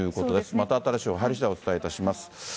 また新しい情報が入りしだい、お伝えいたします。